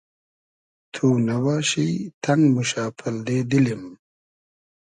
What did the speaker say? تو نئباشی تئنگ موشۂ پئلدې دیلیم